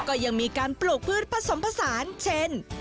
ก็ยังมีการปลูกพืชผสมผสานเช่น